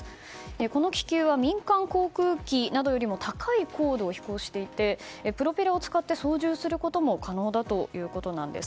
この気球は民間航空機などよりも高い高度を飛行していてプロペラを使って操縦することも可能だということなんです。